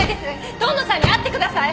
遠野さんに会ってください！